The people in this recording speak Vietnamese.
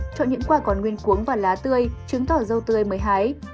chọn những quả còn nguyên cuốn và lá tươi chứng tỏ rau tươi mới hái